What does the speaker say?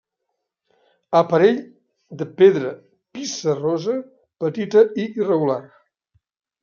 Aparell de pedra pissarrosa petita i irregular.